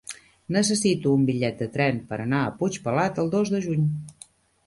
Necessito un bitllet de tren per anar a Puigpelat el dos de juny.